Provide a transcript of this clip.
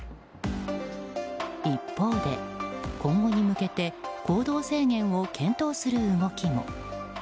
一方で今後に向けて行動制限を検討する動きも。